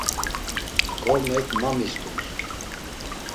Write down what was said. Kormek ma miskums.